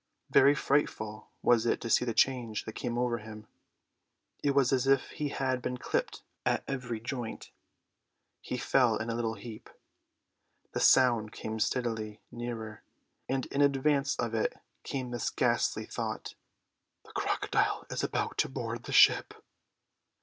Very frightful was it to see the change that came over him. It was as if he had been clipped at every joint. He fell in a little heap. The sound came steadily nearer; and in advance of it came this ghastly thought, "The crocodile is about to board the ship!"